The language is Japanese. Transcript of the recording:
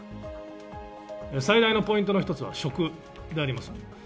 最大のポイントの一つは食であります。